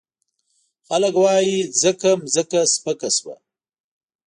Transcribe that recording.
خلګ وايي ځکه مځکه سپکه شوه.